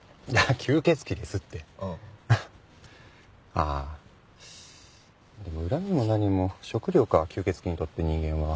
ああでも恨みも何も食料か吸血鬼にとって人間は。